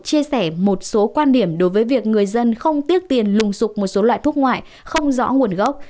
chia sẻ một số quan điểm đối với việc người dân không tiếc tiền lùng sụp một số loại thuốc ngoại không rõ nguồn gốc